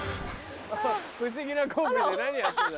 不思議なコンビで何やってんだ。